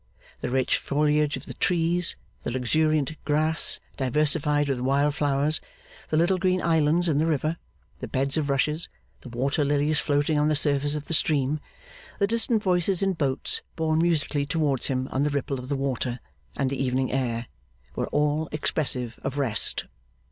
The rich foliage of the trees, the luxuriant grass diversified with wild flowers, the little green islands in the river, the beds of rushes, the water lilies floating on the surface of the stream, the distant voices in boats borne musically towards him on the ripple of the water and the evening air, were all expressive of rest.